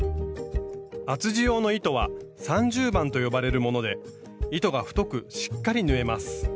厚地用の糸は「３０番」と呼ばれるもので糸が太くしっかり縫えます。